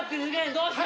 どうしよ。